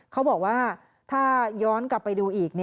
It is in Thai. เขาบอกว่าถ้าย้อนกลับไปดูอีก